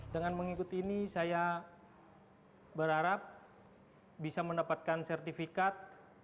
dengan mengikuti ini saya berharap bisa mendapatkan sertifikat